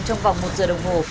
trong vòng một giờ đồng hồ